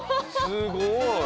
すごい。